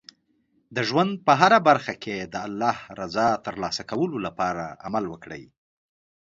د ژوند په هره برخه کې د الله رضا ترلاسه کولو لپاره عمل وکړئ.